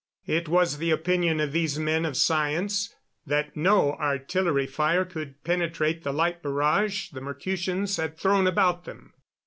It was the opinion of these men of science that no artillery fire could penetrate the light barrage the Mercutians had thrown about them.